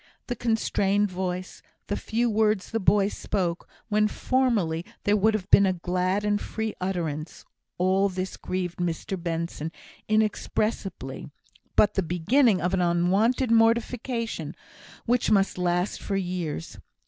The constrained voice, the few words the boy spoke, when formerly there would have been a glad and free utterance all this grieved Mr Benson inexpressibly, as but the beginning of an unwonted mortification, which must last for years.